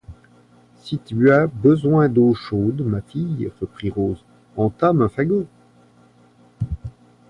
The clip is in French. Si tu as besoin d’eau chaude, ma fille, reprit Rose, entame un fagot.